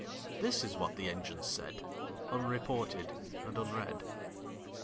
This is what the Engines said, Unreported and unread.